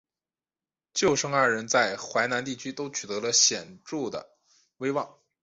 舅甥二人在淮南地区都取得了显着的威望。